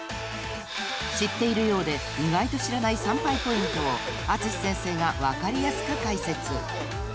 ［知っているようで意外と知らない参拝ポイントを淳先生が分かりやすく解説］